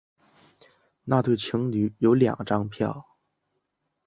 那对情侣有两张票